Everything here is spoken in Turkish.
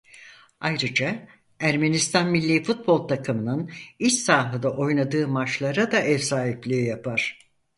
Ayrıca Ermenistan millî futbol takımının iç sahada oynadığı maçlara da ev sahipliği yapar.